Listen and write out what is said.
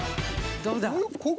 どうだ？